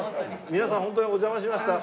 皆さん本当にお邪魔しました。